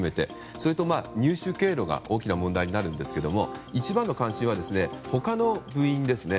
それと入手経路が大きな問題になるんですが一番の関心は他の部員ですね。